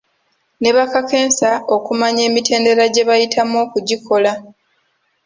Ne bakakensa okumanya emitendera gye bayitamu okugikola.